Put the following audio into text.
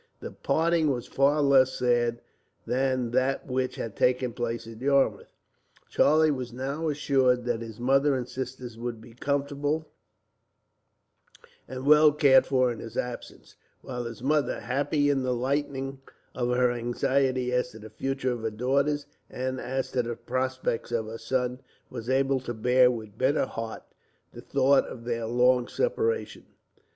The parting was far less sad than that which had taken place at Yarmouth. Charlie was now assured that his mother and sisters would be comfortable, and well cared for in his absence; while his mother, happy in the lightening of her anxiety as to the future of her daughters, and as to the prospects of her son, was able to bear with better heart the thought of their long separation.